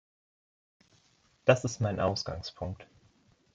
Das ist mein Ausgangspunkt.